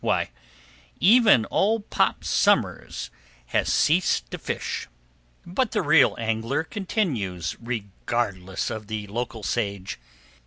Why, even "ol' Pop Somers" has ceased to fish! But the real angler continues, regardless of the local sage.